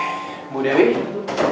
ibu dewi silakan